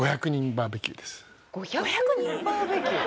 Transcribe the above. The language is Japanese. ５００人バーベキュー？